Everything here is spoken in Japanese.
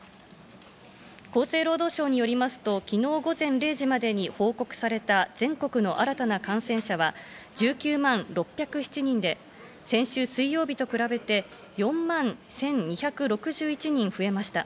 厚生労働省によりますと昨日午前０時までに報告された全国の新たな感染者は、１９万６０７人で、先週水曜日と比べて４万１２６１人増えました。